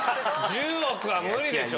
１０億は無理でしょ。